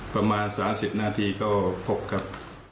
ประมาณ๓๐นาทีก็พบกับ